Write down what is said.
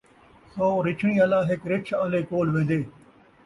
سو رچھݨی آلا ہک رِچھ آلے کول وین٘دے